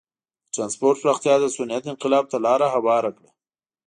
د ټرانسپورت پراختیا د صنعت انقلاب ته لار هواره کړه.